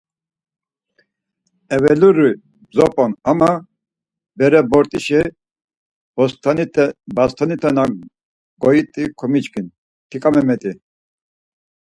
Eveluri bzop̌on ama, ma bere bort̆işa bastonite na goit̆u komiçkin Ťiǩa Memet̆i.